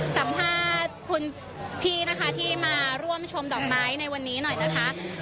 สัมภาษณ์คุณพี่นะคะที่มาร่วมชมดอกไม้ในวันนี้หน่อยนะคะ